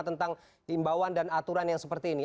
tentang imbauan dan aturan yang seperti ini